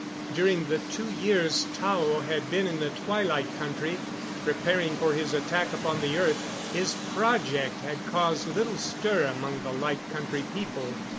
During the two years Tao had been in the Twilight Country, preparing for his attack upon the earth, his project had caused little stir among the Light Country people.